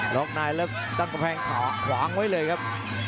ล็อคนายและด้านกระแพงขวางไว้เลยครับ